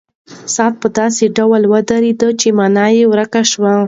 ساعت په داسې ډول ودرېد چې مانا یې ورکه شوه.